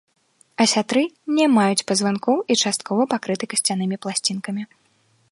Асятры не маюць пазванкоў і часткова пакрыты касцянымі пласцінкамі.